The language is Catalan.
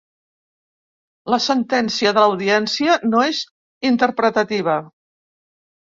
La sentència de l’audiència no és interpretativa